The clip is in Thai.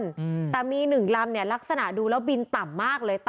อืมแต่มีหนึ่งลำเนี้ยลักษณะดูแล้วบินต่ำมากเลย